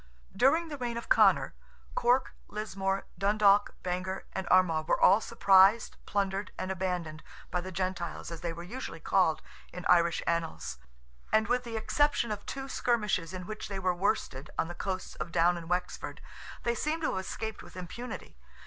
During the reign of Conor, Cork, Lismore, Dundalk, Bangor and Armagh, were all surprised, plundered, and abandoned by "the Gentiles," as they are usually called in Irish annals; and with the exception of two skirmishes in which they were worsted on the coasts of Down and Wexford, they seem to have escaped with impunity.